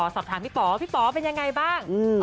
สอบถามพี่ป๋อพี่ป๋อเป็นยังไงบ้าง